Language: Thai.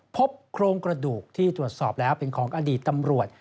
พบโครงกระดูกที่ตรวจสอบแล้วเป็นของอดีตตำรวจ